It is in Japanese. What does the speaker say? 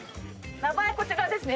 名前こちらですね。